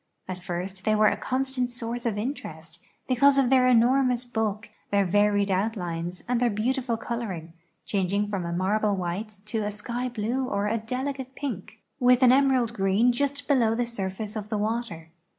At first they were a constant source of interest, because of their enormous bulk, their varied outlines, and their beautiful coloring, changing from a marble white to a sky blue or a delicate pink, with an emerald green just below the surface of the water.